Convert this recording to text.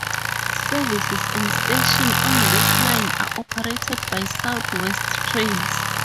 Services and stations on this line are operated by South West Trains.